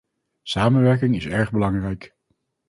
Samenwerking is erg belangrijk.